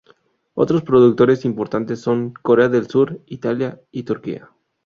Otros productores importantes son Corea del Sur, Italia y Turquía.